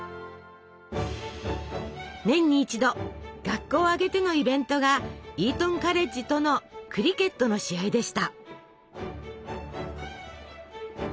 年に一度学校を挙げてのイベントがイートンカレッジとのクリケットの試合でした！